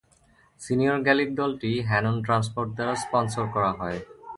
Senior Gaelic দলটি Hannon transport দ্বারা sponsor করা হয়।